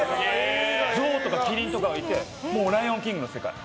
ゾウとかキリンとかがいてもう「ライオン・キング」の世界。